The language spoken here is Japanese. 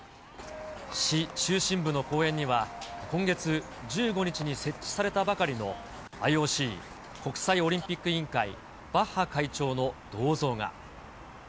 市中心部の公園には、今月１５日に設置されたばかりのＩＯＣ・国際オリンピック委員会、バッハ会長の銅像が。